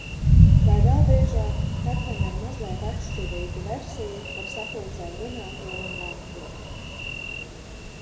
Vai vēl biežāk – katram ir mazliet atšķirīga versija par sapulcē runāto un lemto.